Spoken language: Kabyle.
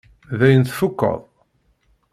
Dayen tfukkeḍ?